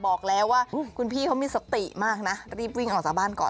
บอกแล้วว่าคุณพี่เขามีสติมากนะรีบวิ่งออกจากบ้านก่อน